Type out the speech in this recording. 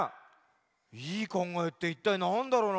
いいかんがえっていったいなんだろうな。